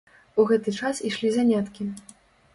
У гэты час ішлі заняткі.